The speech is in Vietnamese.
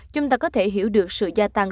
chúng ta có thể hiểu được sự gia tăng